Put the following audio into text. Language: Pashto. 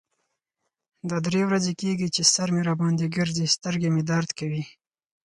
دا درې ورځې کیږی چې سر مې را باندې ګرځی. سترګې مې درد کوی.